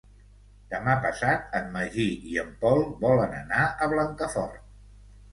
Demà passat en Magí i en Pol volen anar a Blancafort.